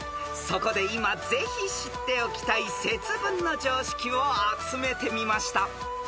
［そこで今ぜひ知っておきたい節分の常識を集めてみました］